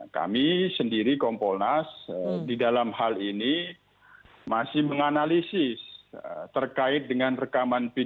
kami sendiri kompolnas di dalam hal ini masih menganalisis terkait dengan rekaman video